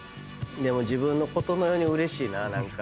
でも自分のことのようにうれしいな何か。